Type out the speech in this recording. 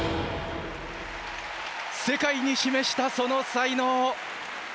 世界に示したその才能。